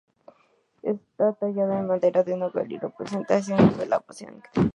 Está tallado en madera de nogal y representa escenas de la Pasión.